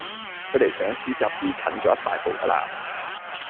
距離上市集資近咗一大步㗎啦